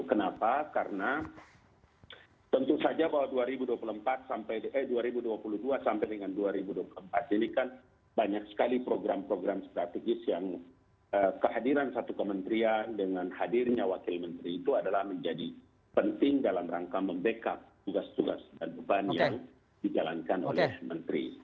kenapa karena tentu saja bahwa dua ribu dua puluh dua sampai dengan dua ribu dua puluh empat ini kan banyak sekali program program strategis yang kehadiran satu kementerian dengan hadirnya wakil menteri itu adalah menjadi penting dalam rangka membackup tugas tugas dan beban yang dijalankan oleh menteri